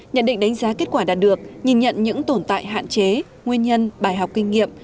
nhận định đánh giá kết quả đạt được nhìn nhận những tồn tại hạn chế nguyên nhân bài học kinh nghiệm